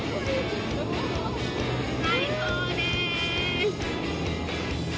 最高です。